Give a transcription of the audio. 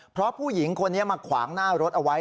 เพราะผู้หญิงคนนี้มาขวางหน้ารถเอาไว้